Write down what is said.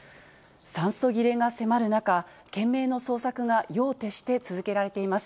酸素切れが迫る中、懸命の捜索が夜を徹して続けられています。